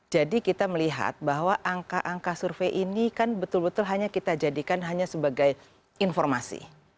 jadi kita melihat bahwa angka angka survei ini kan betul betul hanya kita jadikan hanya sebagai informasi